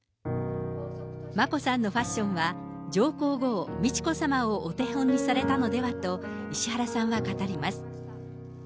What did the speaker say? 眞子さんのファッションは、上皇后美智子さまをお手本にされたのではと、石原さんは語ります。